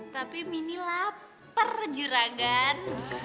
tapi mini lapar juragan